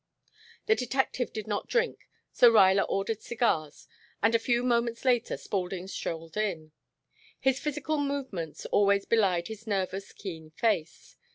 The detective did not drink, so Ruyler ordered cigars, and a few moments later Spaulding strolled in. His physical movements always belied his nervous keen face.